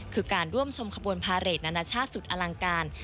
คือการร่วมชมขบวนพาเรทนานาชาติสุดอลังการ